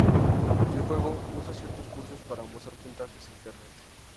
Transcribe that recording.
El juego usa ciertos cursos para mostrar puntajes a Internet.